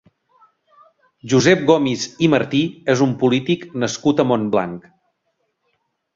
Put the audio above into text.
Josep Gomis i Martí és un polític nascut a Montblanc.